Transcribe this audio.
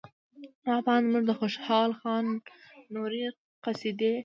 زما په اند موږ د خوشال خان نورې قصیدې